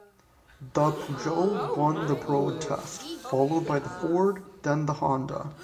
The Peugeot won the road test, followed by the Ford, then the Honda.